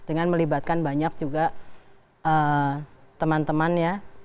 dengan melibatkan banyak juga teman teman ya